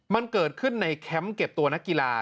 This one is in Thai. มันเกิดขึ้นในแคมป์เก็บตัวนักกีฬา